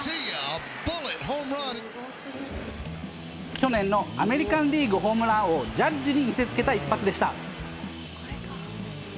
去年のアメリカンリーグホームラン王、ジャッジに見せつけた一発でした。